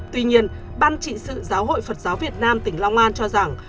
tuy nhiên ban trị sự giáo hội phật giáo việt nam tỉnh long an cho rằng